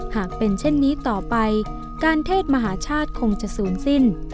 หากเป็นเช่นนี้ต่อไปการเทศมหาชาติคงจะศูนย์สิ้น